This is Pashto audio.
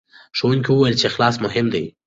ښوونکي وویل چې اخلاص مهم دی.